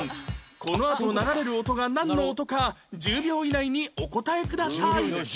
このあと流れる音がなんの音か１０秒以内にお答えください